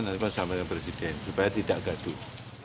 nanti pak manjeman disampaikan ke presiden supaya tidak gaduh